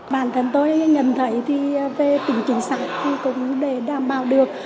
bản thân tôi nhận thấy thì về tính chính xác thì cũng để đảm bảo được